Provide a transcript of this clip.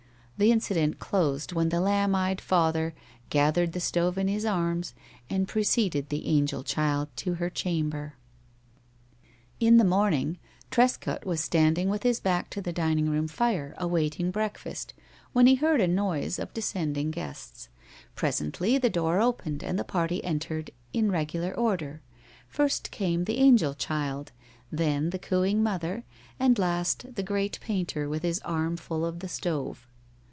The incident closed when the lamb eyed father gathered the stove in his arms and preceded the angel child to her chamber. [Illustration: "THE LAMB EYED FATHER PRECEDED THE ANGEL CHILD TO HER CHAMBER"] In the morning, Trescott was standing with his back to the dining room fire, awaiting breakfast, when he heard a noise of descending guests. Presently the door opened, and the party entered in regular order. First came the angel child, then the cooing mother, and last the great painter with his arm full of the stove.